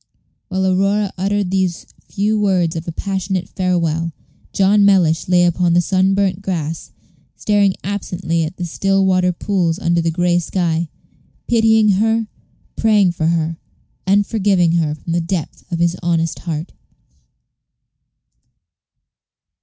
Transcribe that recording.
While Aurora uttered these few words of passionate farewell, John Mellish lay upon the sun burnt grass, staring absently at the still water pools under the gray sky pitying her, praying for her, and forgiving her from the depth of his honest heart.